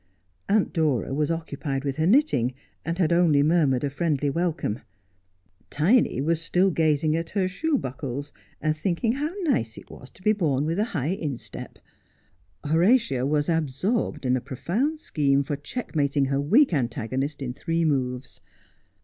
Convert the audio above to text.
Aunt Dora was occupied with her knitting, and had only murmured a friendly welcome. Tiny was still gazing at her shoe buckles, and thinking how nice it was to be born with a high 40 Just as I Am. instep. Horatia was absorbed in a profound scheme for check mating her weak antagonist in three moves.